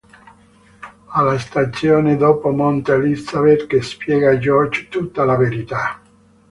Alla stazione dopo monta Elizabeth, che spiega a George tutta la verità.